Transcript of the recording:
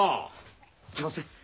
すいません。